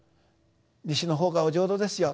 西の方がお浄土ですよ。